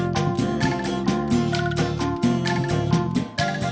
gak ada yang ketinggalan lagi